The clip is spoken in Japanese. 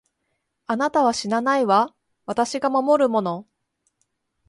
あなたは死なないわ、私が守るもの。